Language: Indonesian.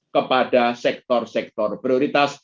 kepada sektor sektor prioritas